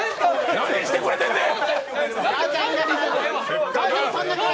何してくれてんねん！